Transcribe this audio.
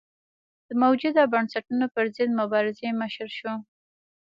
د موجوده بنسټونو پرضد مبارزې مشر شو.